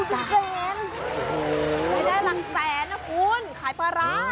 หลักแสนนะคุณขายปลาร้า